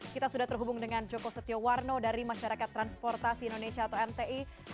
kita sudah terhubung dengan joko setiowarno dari masyarakat transportasi indonesia atau mti